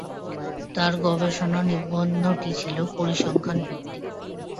তার গবেষণা নিবন্ধটি ছিল পরিসংখ্যান ভিত্তিক।